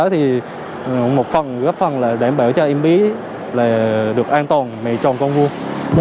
với đó thì một phần gấp phần là đảm bảo cho em bí là được an toàn mẹ tròn con vua